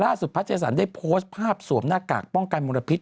พระเจสันได้โพสต์ภาพสวมหน้ากากป้องกันมลพิษ